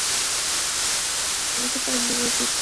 পাণ্ডু পাণ্ডবদের পিতা।